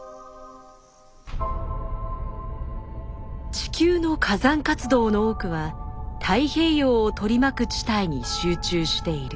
地球の火山活動の多くは太平洋を取り巻く地帯に集中している。